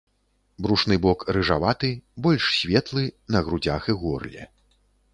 Брушны бок рыжаваты, больш светлы на грудзях і горле.